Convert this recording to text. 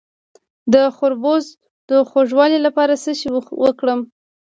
د خربوزو د خوږوالي لپاره څه وکړم؟